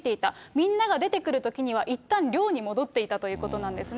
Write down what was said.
みんなが出てくるときにはいったん寮に戻っていたということなんですね。